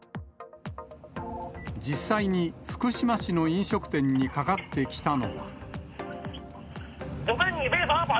実際に福島市の飲食店にかかってきたのは。